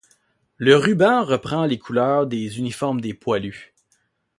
Le ruban reprend les couleurs des uniformes des Poilus.